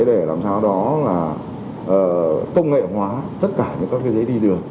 để làm sao đó là công nghệ hóa tất cả những các cái giấy đi đường